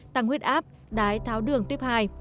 tăng huyết áp đái tháo đường tuyếp hai